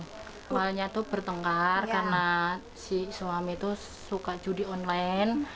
awalnya itu bertengkar karena si suami itu suka judi online